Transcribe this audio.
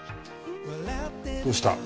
どうした？